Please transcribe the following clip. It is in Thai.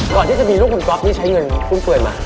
ก่อนที่จะมีลูกคุณก๊อฟนี่ใช้เงินฟุ่มเฟือยมา